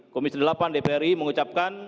komisi delapan dpri mengucapkan